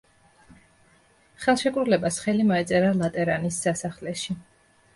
ხელშეკრულება ხელი მოეწერა ლატერანის სასახლეში.